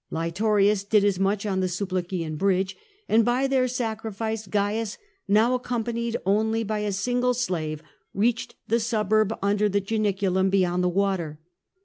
Laetorius did as much on the Sublician bridge, and by their sacrifice Caius, now accompanied only by a single slave, ^ reached the suburb under the Janiculum beyond the water.